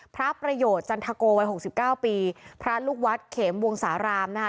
พระประโยชน์จันทโกวัยหกสิบเก้าปีพระลูกวัดเขมวงสารามนะคะ